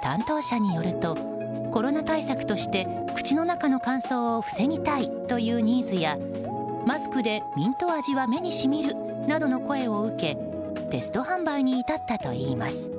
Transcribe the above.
担当者によるとコロナ対策として口の中の乾燥を防ぎたいというニーズやマスクでミント味は目にしみるなどの声を受けテスト販売に至ったといいます。